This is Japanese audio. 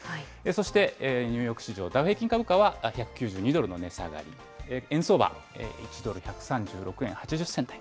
そしてニューヨーク市場ダウ平均株価は１９２ドルの値下がり、円相場、１ドル１３６円８０銭と。